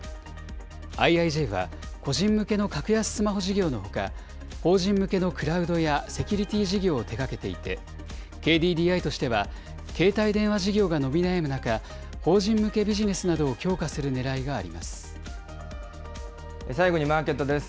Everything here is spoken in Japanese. ＩＩＪは個人向けの格安スマホ事業のほか、法人向けのクラウドやセキュリティー事業を手がけていて、ＫＤＤＩとしては、携帯電話事業が伸び悩む中、法人向けビジネスなどを最後にマーケットです。